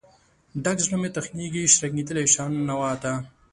ډک زړه مې تخنیږي، شرنګیدلې شان نوا ته